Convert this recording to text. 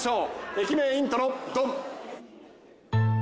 駅メロイントロドン。